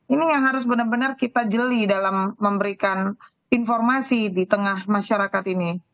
ini yang harus benar benar kita jeli dalam memberikan informasi di tengah masyarakat ini